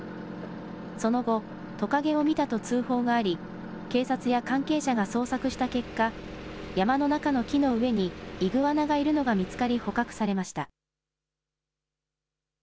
その後トカゲを見たと通報があり警察や関係者が捜索した結果、山の中の木の上にイグアナがいるのが見つかり捕獲されました。